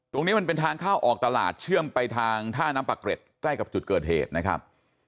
ตรงนี้มันเป็นทางเข้าออกตลาดเชื่อมไปทางท่าน้ำปะเกร็ดใกล้กับจุดเกิดเหตุนะครับ